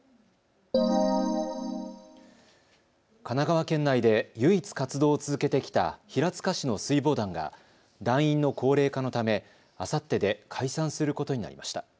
神奈川県内で唯一、活動を続けてきた平塚市の水防団が団員の高齢化のためあさってで解散することになりました。